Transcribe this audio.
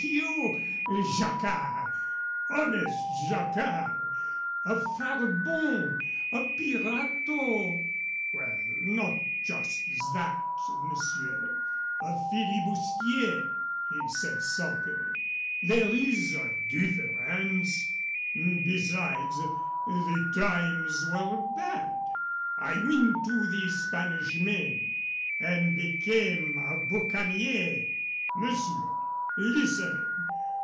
"You, Jacquard honest Jacquard a farbon, a pirato?" "Well, not just that, monsieur a flibustier," he said, sulkily. "There is a difference. Besides, the times were bad. I went to the Spanish Main " "And became a boucanier " "Monsieur, listen.